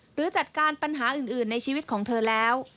หรือจัดการปัญหาอื่นในชีวิตของเธอแล้ว